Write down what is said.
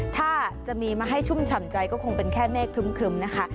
ถ้าจะมีมาให้ชุ่มฉ่ำใจก็คงเป็นแค่เมฆครึ้มนะคะ